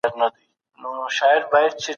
او سیمه ییزو پاچاهانو ترمنځ تل پاتې سیالي وه،